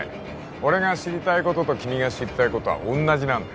俺が知りたいことと君が知りたいことは同じなんだ